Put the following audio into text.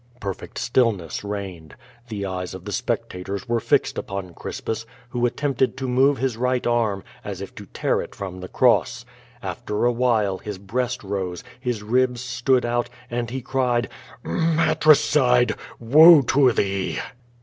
Perfect stillness reigned. The eyes of the spectators were fixed upon Crispus, who attem])ted to move his right arm, as if to tear it from the cross. After a while his breast rose, his ribs stood out, and he cried: "Matricide, woe to thee!"